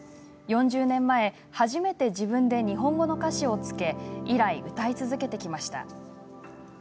４０年前、初めて自分で日本語の歌詞をつけ以来、歌い続けてきました。